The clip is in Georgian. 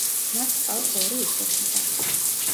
მას ჰყავს ორი უფროსი და.